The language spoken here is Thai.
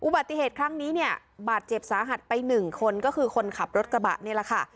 อุบัติเหตุครั้งนี้เนี่ยบาดเจ็บสาหัสไปหนึ่งคนก็คือคนขับรถกระบะนี่แหละค่ะ